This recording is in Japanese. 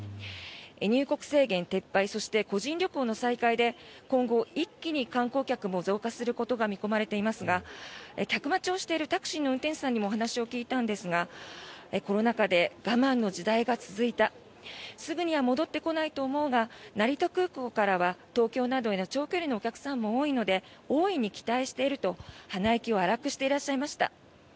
入国制限撤廃そして個人旅行の再開で今後、一気に観光客も増加することが見込まれていますが客待ちをしているタクシーの運転手さんにもお話を聞いたんですがコロナ禍で我慢の時代が続いたすぐには戻ってこないと思うが成田空港からは東京などへの長距離のお客さんも多いので大いに期待していると鼻息を荒くしていらっしゃいました。